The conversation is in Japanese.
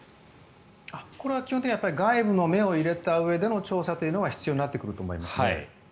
これは基本的には外部の目を入れたうえでの調査というのが必要になってくると思います。